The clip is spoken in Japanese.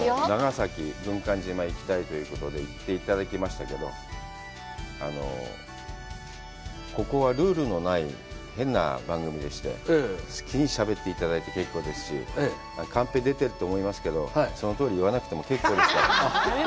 長崎の軍艦島に行きたいということで、行っていただきましたけど、ここはルールのない変な番組でして、好きにしゃべっていただいて結構ですし、カンペ出てると思いますけど、そのとおり言わなくても結構ですから。